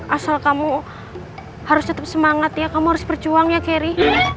asal kamu harus tetap semangat ya kamu harus berjuang ya keri